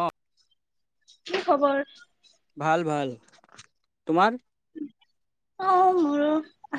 অঁ। কি খবৰ। ভাল ভাল তোমাৰ। অ মোৰো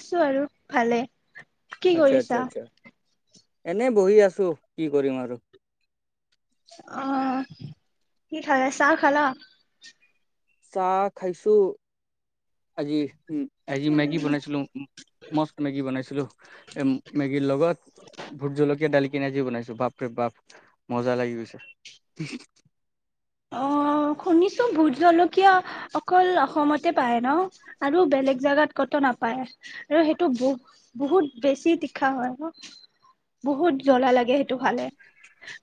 আছো আৰু ভালে। কি আচ্ছা, আচ্ছা, কৰিছা? আচ্ছা। এনে বহি আছো কি কৰিম আৰু। অ কি খালা চাহ খালা। চাহ খাইছো আজি। উম আজি মেগী উম, বনাইছিলো মস্ত মেগী বনাইছিলো। এ মেগীৰ লগত ভোত জলকীয়া ঢালি কিনি আজি বনাইছো বাপ ৰে বাপ মজা লাগি গৈছে। [inaudible] অ শুনিছো। এইটো ভোট জলকীয়া অকল অসমতে পায় ন। আৰু বেলেগ জেগাত কতো নাপায়। আৰু সেইটো বহু বহুত বেছি তীখা হয় ন। বহুত জ্বলা লাগে সেইটো খালে।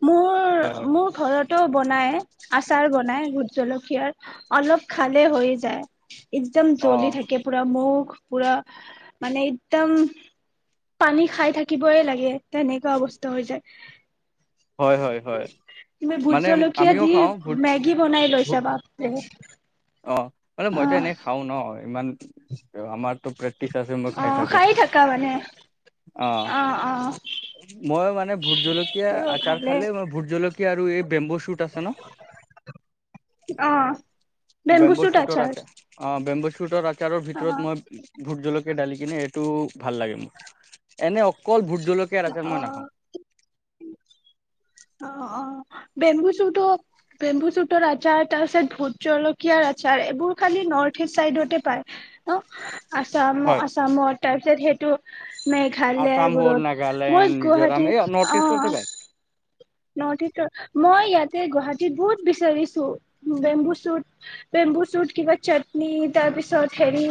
মোৰ হয় হয় মোৰ ঘৰত। এইটো বনাই। আচাৰ বনাই ভোত জলকীয়াৰ অলপ খালে হৈ যায় একদম অ জ্বলি থাকে পুৰা মুখ। পোৰা মানে একদম পানী খাই থাকিবই লাগে তেনেকুৱা অৱস্থা হৈ যায়। হয় হয় হয় তুমি ভোট মানে জলকীয়া আমিও দি খাওঁ। ভোট মেগী বনাই লৈছে ভোট বাপৰে। অ মানে অ মইত এনে খাও ন ইমান। ত আমাক। তোকে। ঠিক আছে মই অ খাই থাকো। থাকা মানে অ মই মানে ভোত জলকীয়া তেও আচাৰ ভালে খালে ভোত জলকীয়া আৰু এই বেম্বো শুট আছে ন। অ বেম্বু চুট বেম্বোছোটৰ আচাৰ অঁ। অঁ বেম্বোছোটৰ আচাৰ। তাৰো অ ভিতৰত মই। ভূত জলকীয়া ঢালি কিনে এইটো ভাল লাগে মোক এনে। কত ভূত জলকীয়া আচৰ অ মই নাখাওঁ। বেম্বুচুটঅ বেম্বুচুটৰ আচাৰ তাৰ পিছত ভূত জলকীয়াৰ আচাৰ এইবোৰ খালি নৰ্থ ইষ্ট চাইডতে পায় ন। আসাম হয় আসামত। তাৰপিছত সেইটো। মেঘালয় আছাম হ'ল নাগালেণ্ড মই মিজোৰাম এই গুৱাহাটীত নৰ্থ অ ইষ্টতে পায় ন মই ইয়াতে গুৱাহাটীত বহুত বিচাৰিছো বেম্বু চুত বেম্বু চুত কিবা চাটনি তাৰপিছত হেৰি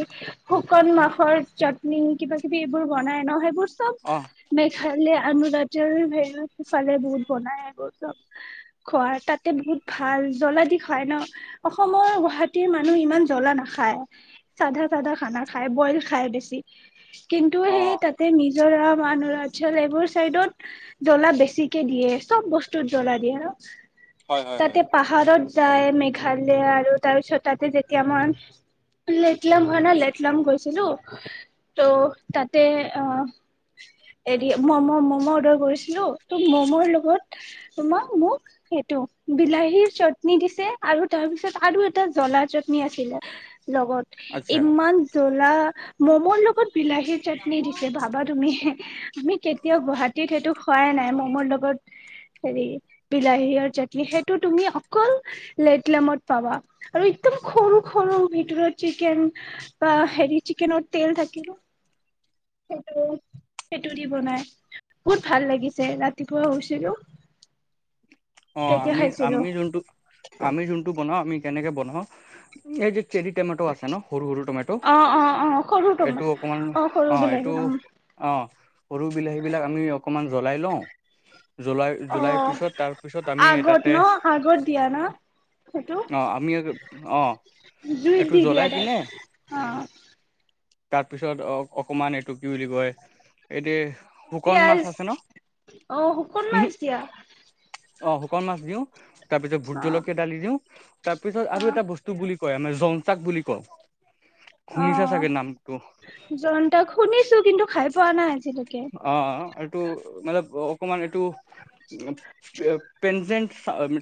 শুকন মাখৰ চাটনি কিবা কিবি এইবোৰ বনাই ন সেইবোৰ চব অ' মেঘালয় আমোদ ভেছে ফলে বুল বনাই চব খোৱাৰ তাতে বহুত ভাল জ্বলা দি খায় ন অসমৰ গুৱাহাটীৰ মানুহ ইমান জ্বলা নাখায় চাধা চাধা খানা খায় বইল খায় বেছি কিন্তু সেই অ' তাতে নিজ মিজোৰাম অৰুণাচল এইবোৰ চাইদত জ্বলা বেছিকে দিয়ে আছে চব বস্তু জ্বলা দিয়ে আৰ হয় হয় হয়। তাতে পাহাৰত যাই মেঘালয় আৰু তাৰপিছত তাতে যেতিয়া মই লেটলাম হয় ন, লেটলাম গৈছিলো। ত' তাতে হেৰি ম'ম'-ম'ম' অৰ্ডাৰ কৰিছিলো ত' ম'ম' লগত তম মোক সেইটো বিলাহীৰ চাট্নি দিছে আৰু তাৰপিছত আৰু এটা জ্বলা চাটনি আছিলে। লগত আচ্ছা ইমান জ্বলা। ম'মৰ লগত বিলাহী চাটনি দিছে বাবা তুমি। আমি কেতিয়াও গুৱাহাটীত সেইটো খোৱাই নাই মমৰ লগত। হেৰি বিলাহী আৰু চাটনি সেইটো তুমি অকল লেট লমত পাবা আৰু একদম সৰু-সৰু ভিতৰত চিকেন বা হেৰি চিকেনৰ তেল থাকিব সেইটো-সেইটো দি বনাই বহুত ভাল লাগিছে ৰাতিপুৱা হ [unintelligible] অ আমি-আমি যোনটো আমি যোনটো বনাও আমি কেনেকে বনাও এই যে চেৰি টমেট' আছে ন সৰু-সৰু টমেট', অ অ অ সৰু টমা এইটো অকণমান অ সৰু অঁ বিলাহী এইটো অঁ সৰু বিলাহীবিলাক আমি অকণমান জ্বলাই লওঁ, অ জুলাই-জুলাইৰ পিছত তাৰ পিছত আমি আগত ন, আগত দিয়া ন? সেইটো অহ, আমি অৰু, অহ, জুইত এইটো দি দিয়া জ্বলাই তাইক কিনে অ তাৰপিছত অ অকমান এইটো কি বুলি কয়, এইটো শুকান পিয়াজ, মাছ আছে ন অ শুকন উহু মাছ দিয়া? অ শুকান মাছ দিও। তাৰ পিছ ভোট অ জলকীয়া ডালি দিওঁ। তাৰপিছত অ আৰু এটা বস্তু বু বুলি কয় আমাৰ জনতাক বুলি কওঁ। শুনিছা অ', চাগে নামটো জন্তাক শুনিছো কিন্তু খাই পোৱা নাই আজিলৈকে অ অ এইটো মানে অকমান এইটো পেঞ্জেণ্ট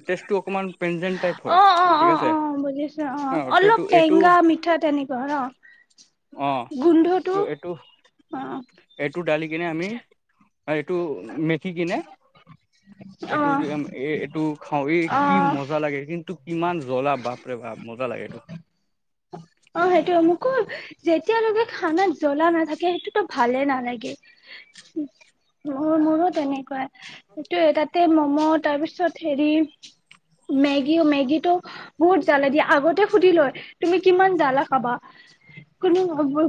টেষ্টটো অকমান পেনজেন্ট টাইপ হয় ঠিক আছে অ-অ-অ-অ বুজিছো অ এইটো অলপ এইটো টেঙা মিঠা তেনেকুৱা ন, অ গোন্ধটো এইটো অ। এইটো ডালি কিনে আমি এইটো মেথি কিনে অ এইটো-এইটো খাওঁ এই অ কি মজা লাগে কিন্তু ইমান জ্বলা বাপৰে বাপ, মজা লাগে এইটো। অ সেইটো মোক যেতিয়ালৈকে খানাত জ্বলা নাথাকে সেইটো টো ভালে নালাগে। মোৰো তেনেকুৱাই। সেইটোয়ে তাতে মই। তাৰপিছত হেৰি, মেগিও মেগীটো বহুত জ্বালা দিয়া আগতে সুধি লয় তুমি কিমান জ্বালা খাবা, কোনো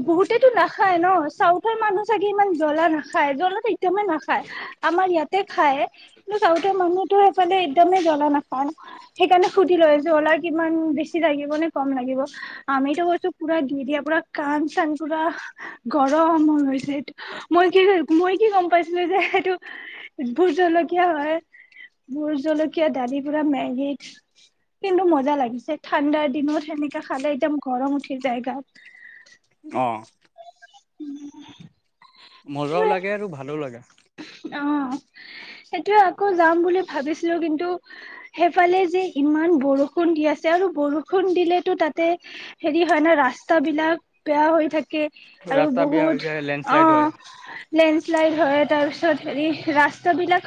বহুতেটো নাখায় ন, চাউথৰ মানুহ চাগে ইমান জ্বলা নাখায়। ানে নাখায় আমাৰ ইয়াত [unintelligible] খায় কিন্তু গাঁৱতৰ মানুহতো সেইফালে একদমেই জ্বলা নাপায় সেইকাৰণে সুধি লৈ জ্বলা কিমান বেছি লাগিব নে কম লাগিব আমিতো কৈছো পুৰা দি দিয়া পুৰা কাণ চান পুৰা গৰম হৈ হৈছে। এইটো মই কি মই কি গম পাইছিলো যে এইটো ভোত জলকীয়া হয় ভোত জলকীয়া ডালি পুৰা মেগী। কিন্তু মজা লাগিছে ঠাণ্ডাৰ দিনত সেনেকা খালে একদম গৰম উঠি যায়গাত। অ উম। মজাও লাগে আৰু ভালও লাগে। অ সেইটোয়ে আকৌ যাম বুলি ভাবিছিলো, কিন্তু সেইফালে যে ইমান বৰষুণ দি আছে আৰু বৰষুণ দিলেতো তাতে হেৰি হয় না ৰাস্তাবিলাক বেয়া হৈ থাকে। আৰু ৰাস্তা বেয়া বহুত হৈ যায় অ। লেণ্ডশ্লাইড হয় লেণ্ডশ্লাইড হয়। তাৰ পিছত হেৰি ৰাস্তাবিলাক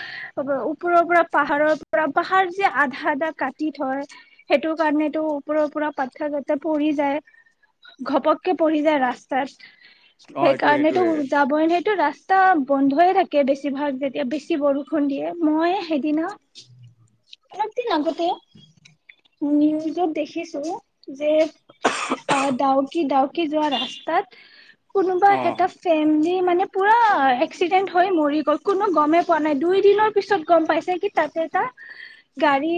ওপৰৰ পৰা পাহাৰৰ পৰা পাহাৰ যে আধা আধা কাটি থয়। সেইটো কাৰণেটো ওপৰৰ পৰা পাথৰ পৰি যায় ঘপককে পৰি যায় ৰাস্তাত। অ এইটো সেইকাৰণেতো এইটোয়ে যাবই নটো ৰাস্তা। টা বন্ধয়। থাকে বেছিভাগ যেতিয়া বেছি বৰষুণ দিয়ে, মই সেইদিনা। অলপ দিন আগতে নিউজত দেখিছো যে আহ ডাউকি- ডাউকি যোৱা ৰাস্তাতহ। কোনোবা অ এটা ফেমিলি। মানে পুৰা এক্সিডেণ্ট। হয় মৰি গ'ল। কোনো গমেই পোৱা নাই, দুই দিনৰ পিছত গম পাইছে কি তাতে এটা গাড়ী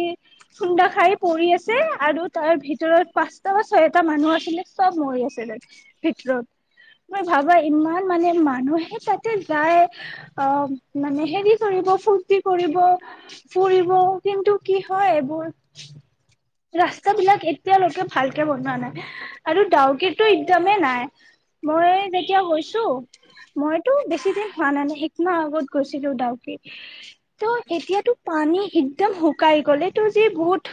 খুন্দা খাই পৰি আছে। আৰু তাৰ ভিতৰত পাঁচটা বা ছয়টা মানুহ আছিলে চব মৰি আছিলে ভিতৰত মই ভাবা ইমান মানে মানুহে তাতে যায়। অ মানে হেৰি কৰিব ফুৰ্তি কৰিব ফুৰিব কিন্তু কি হয়, এইবোৰ ৰাস্তাবিলাক এতিয়ালৈকে ভালকে বনোৱা নাই আৰু ডাউকেতো একদমেই নাই মই যেতিয়া হৈছো মইতো বেছিদিন। হোৱা নাই নাই একমাহ আগত গৈছিলো। ডাউকিত এতিয়াতো পানী একদম শুকাই গলেতো, যি বহুত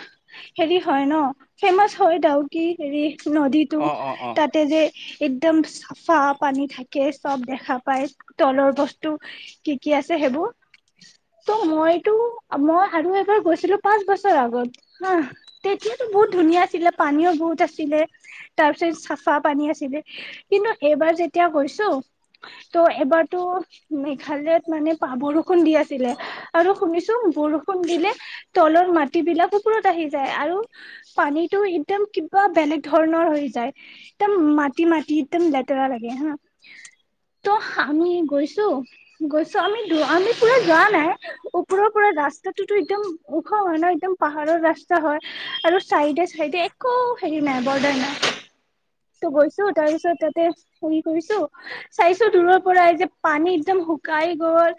হেৰি হয় ন, ফেমাচ হয় ডাউকি হেৰি। নদীটো অ অ অ তাতে যে। একদম চাফা পানী থাকে, চব দেখা পায়। তলৰ বস্তু কি কি আছে সেইবোৰ ত' মইতো মই আৰু এবাৰ গৈছিলো পাঁচ বছৰ আগত, হা তেতিয়াতো বহুত ধুনীয়া আছিলে। পানীও বহুত আছিলে, তাৰ পিছত চাফা পানী আছিলে কিন্তু এইবাৰ যেতিয়া গৈছো ত' এবাৰ। ত মেঘালয়ত মানে পা বৰষুণ দি আছিলে, আৰু শুনিছো বৰষুণ দিলে তলৰ মাটিবিলাক ওপৰত আহি যায়। আৰু পানীটো একদম কিবা বেলেগ ধৰণৰ হৈ যায়, একদম মাটি মাটি একদম লেতেৰা লাগে হা ত আমি গৈছো গৈছো আমি আমি পুৰা যোৱা নাই ওপৰৰ পৰা ৰাস্তাটোতো একদম ওখ হয় ন একদম পাহাৰৰ ৰাস্তা হয়। আৰু চাইডে চাইডে একো হেৰি নাই, বৰ্ডাৰ নাই ত গৈছো তাৰ পিছত তাতে হেৰি কৰিছো চাইছো দূৰৰ। এ যে পানী একদম শুকাই গল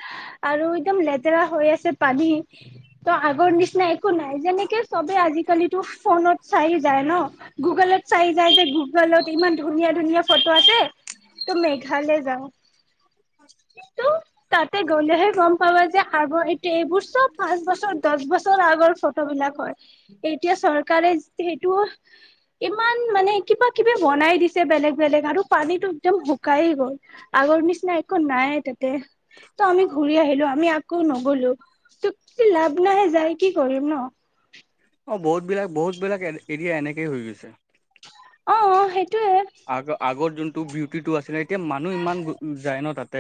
আৰু একদম লেতেৰা হৈ আছে পানী ত আগৰ নিচিনা একো নাই, যেনেকে চবে আজিকালিতো ফোনত চাই যায় ন গুগলত চাই যায় যে গুগলত ইমান ধুনীয়া - ধুনীয়া ফটো আছে। ত' মেঘালয় যাও। কিন্তু তাতে গ'লেহে গম পাবা যে, আৰু এইটো এইবোৰ চব পাঁচ বছৰ দছ বছৰ আগৰ ফ। বিলাক হয় এতিয়া চৰকাৰে সেইটো ইমান মানে কিবা কিবি বনাই দিছে, বেলেগ বেলেগ আৰু পানীতটো একদম শুকায়ে গ'ল আগৰ নিচিনা। নাই একো নাই তাতে ত' আমি ঘূৰি আহিলো, আমি আকৌ নগলো ত লাভ নাই যায় কি কৰিম ন। অ বহুত বিলাক বহুত বিলাক এৰিয়া এনেকেই হৈ গৈছে। অ অ সেইটো। আগ আগৰ যোন। তটো বিউটিটো আছিলে। এতিয়া মানুহ ইমান যায় ন তাত।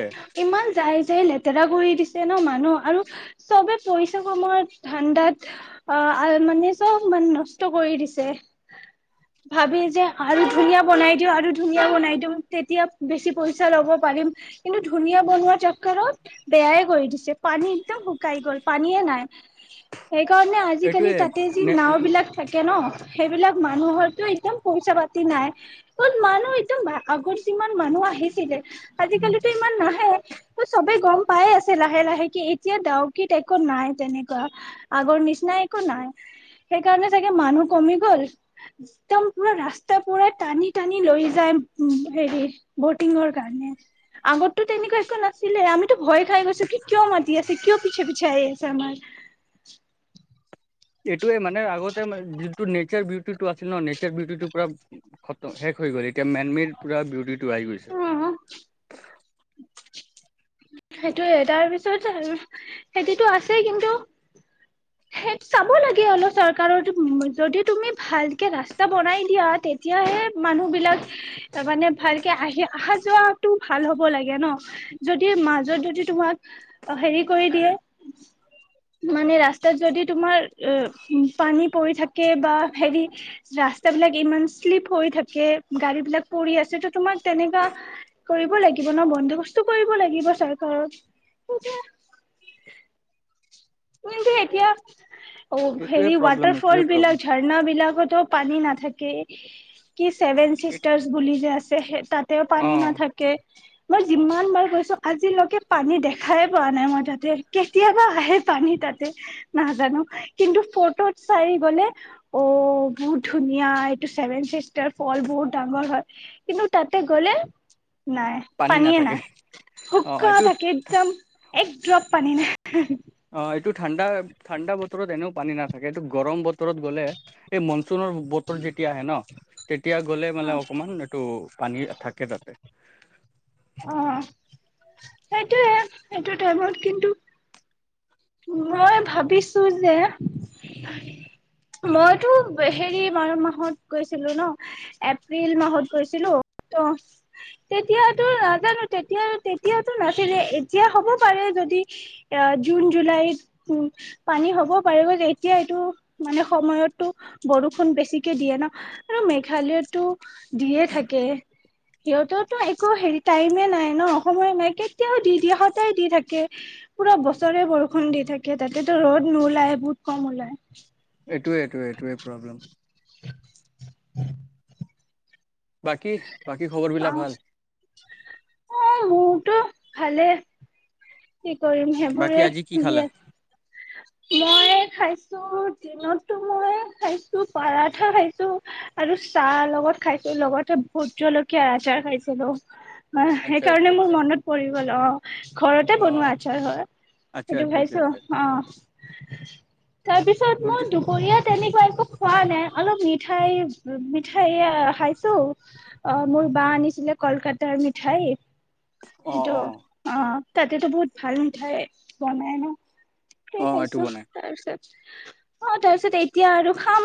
ইমান যাই যাই লেতেৰা কৰি দিছে ন মানুহ আৰু চব। চবে পইচা কমোৱা ধাণ্ডাত অ আৰ মানে চব মানে নষ্ট কৰি দিছে ভাবে যে আৰু ধুনীয়া বনাই দিওঁ আৰু ধুনীয়া বনাই দিও তেতিয়া বেছি পইচা লব পাৰিম কিন্তু ধুনীয়া বনোৱা চাক্কৰত বেয়াই কৰি দিছে পানী একদম শুকাই গল পানীয়ে নাই সেইকাৰণে আজিকালি এইটোয়ে তাতে যি নে নাও বিলাক থাকে ন সেইবিলাক মানুহতো একদম পইচা পাতি নাই ক'ত মানুহ একদম আগৰ যিমান মানুহ আহিছিলে আজিকালি নাহে চবে গম পাই আছে লাহে লাহে কি এতিয়া দাওকিত একো নাই তেনেকুৱা আগৰ নিচিনা একো নাই সেইকাৰণে চাগে মানুহ কমি গল একদম পুৰা ৰাস্তাৰ পুৰা টানি টানি লৈ যায় হেৰি বটিঙৰ কাৰণে আগতো তেনেকুৱা একো নাছিলে আমিতো ভয় খাই গৈছো [unintelligible] চাইছে আমাৰ এইটোৱে মানে আগতে যিটো নেচাৰ বিউটিটো আছিল ন নেচাৰ বিউটিটো পুৰা খতম শেষ হৈ গ'ল এতিয়া মেইন মেইন পুৰা বিউটি তোআহি গৈছে আমাৰ সেইটোয়ে তাৰপিছত আৰু হেতিতো আছেই কিন্তু সেই চাব লাগে অলপ চৰকাৰৰ যদি তুমি ভালকে ৰাস্তা বনাই দিয়া তেতিয়াহে মানুহ বিলাক মানে ভালকে আহি অহা যোৱাটো ভাল হব লাগে ন যদি মাজত যদি তোমাক হেৰি কৰি দিয়ে মানে ৰাস্তাত যদি তোমাৰ পানী পৰি থাকে বা হেৰি ৰাস্তা বিলাক ইমান শ্লিপ হৈ থাকে গাড়ী বিলাক পৰি আছে ত তোমাক তেনেকুৱা কৰিব লাগিব ন বন্দবস্তু কৰিব লাগিব চৰকাৰক কিন্তু এতিয়া অ এইটোয়ে হেৰি প্ৰব্লেম ৱাটাৰ ফল এইটোয়ে বিলাক প্ৰব্লেম ঝৰ্ণা বিলাকতো পানী নাথাকে কি ছেভেন চিষ্টাৰছ বুলি যে আছে ত হে তাত তে অ পানী নাথাকে মই যিমান বাৰ গৈছো আজিলৈকে পানী দেখাই পোৱা নাই মই তাতে কেতিয়াবা আহে পানী তাতে নাজানো কিন্তু ফটোত চাই গ'লে অ বহুত ধুনীয়া এইটো চছেভেন চিষ্টাৰ ফল বহুত ডাঙৰ হয় কিন্তু তাতে গ'লে নাই পানী পানীয়ে নাথাকে নাই অ শুকা এইটোত থাকে একদম এক ড্ৰপ পানী নাই অ এইটো ঠাণ্ডা ঠাণ্ডা বতৰত এনেও পানী নাথাকে এইটো গৰম বতৰ বতৰত গ'লে এই মনচোনৰ বতৰ যেতিয়া আহে ন এতিয়া গ'লে মানে অকণমান এইটো পানী থাকে তাতে অ সেইটোয়ে সেইটো টাইমত কিন্তু মই ভাবিছো যে মইতো হেৰি বাৰ মাহত গৈছিলো ন এপ্ৰিল মাহত গৈছিলো ত তেতিয়াতো নাজানো তেতিয়া তেতিয়াতো নাছিলে এতিয়া হ'ব পাৰে যদি জুন জুলাইত উ পানী হ'ব পাৰে গৈ এতিয়া এইটো মানে সময়তো বৰষুণ বেছিকে দিয়ে ন আৰু মেঘালয়টো দিয়ে থাকে সিহঁততো একো হেৰি টাইমে নাই ন সময় নাই কেতিয়াও দি দিয়ে সদায় দি থাকে পুৰা বছৰে বৰষুণ খুন্দি থাকে তাতেতো ৰ'দ নোলাই বহুত কম ওলায় এইটোৱে এইটোৱে এইটোৱে প্ৰব্লেম উ বাকী বাকী খবৰ অ বিলাক ভাল অ হ টো ভালে কি কৰিম বাকী সেইবোৰে আজি কি ভি খালা আছে মই খাইছো ত দিনতো মই খাইছো পাৰঠা খাইছো আৰু চাহ লগত খাইছো লগতে ভোট জলকীয়া আচাৰ খাইছিলো অ আচ্ছা আচ্ছা সেইকাৰণে মোৰ আচ্ছা মনত পৰি গল অ ঘৰত ঘৰতে অ বনোৱা আছাৰ হয় আচ্ছা সেইটো আচ্ছা আচ্ছা খাইছো আচ্ছা অ তাৰপিছত মই ভুজি দুপৰীয়া তেনেকুৱা একো খোৱা নাই অলপ মিঠাই মিঠাই খাইছো অ মোৰ বা আনিছিলে কলকাতাৰ মিঠাই অ সেইটো অ অ তাতেতো বহুত ভাল মিঠাই বনাই ন সেই অ এইটো খাইছো বনাই তাৰপিছত অ তাৰ পিছত এতিয়া আৰু খাম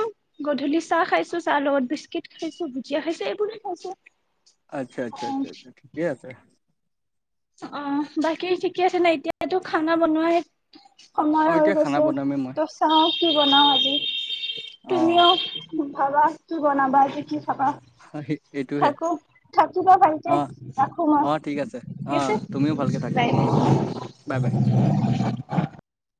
গধূলি চাহ খাইছো চাহ লগত বিস্কুট খাইছো ভুজিয়া খাইছো এইবোৰে খাইছো আচ্ছা আচ্ছা অ আচ্ছা ঠিকে আছে অ বাকী ঠিকে আছে নাই এতিয়াতো খানা বনোৱাহে সময় অ হৈ এতিয়া খানা গৈছে বনামেই মই ত' চাহ কি বনাওঁ আজি তুমি অ ভাজা কি বনাবা আজি কি থাকা সেইটোহে থাকো থাকিবা ভালকে অ ৰাখো মই অ ঠিক আছে ঠিক অ আছে তুমিও ভালকে থাকিবা বাই বাই বাই